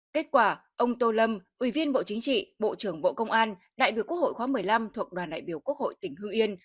kết quả ông tô lâm ủy viên bộ chính trị bộ trưởng bộ công an đại biểu quốc hội khóa một mươi năm thuộc đoàn đại biểu quốc hội tỉnh hương yên